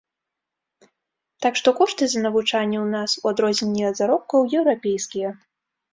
Так што кошты за навучанне ў нас, у адрозненне ад заробкаў, еўрапейскія.